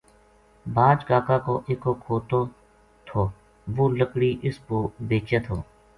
باج کاکا کو اکو کھوتو تھو وہ لکڑی اس پو بیچے تھو